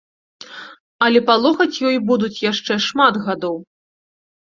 Але палохаць ёй будуць яшчэ шмат гадоў.